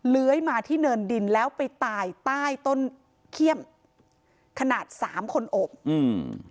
เลื้อยมาที่เนินดินแล้วไปตายใต้ต้นเขี้ยมขนาดสามคนโอบอืม